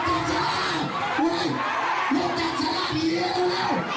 ของจริงเข้าใจนะเข้าใจ